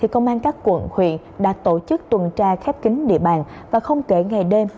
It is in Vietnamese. công an các quận huyện đã tổ chức tuần tra khép kính địa bàn và không kể ngày đêm